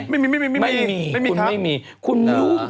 ไม่มีไม่มีครับ